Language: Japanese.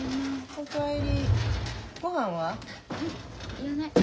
いらない。